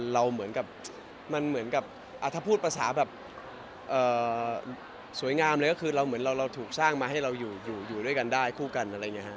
เราเหมือนกับมันเหมือนกับถ้าพูดภาษาแบบสวยงามเลยก็คือเราเหมือนเราถูกสร้างมาให้เราอยู่ด้วยกันได้คู่กันอะไรอย่างนี้ฮะ